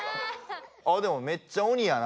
あでもめっちゃ鬼やな。